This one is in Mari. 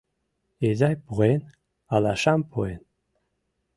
Изай пуэн, алашам пуэн